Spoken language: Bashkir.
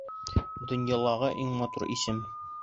Донъялағы иң матур исем!